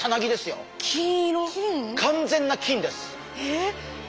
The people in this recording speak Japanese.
完全な金です！え！？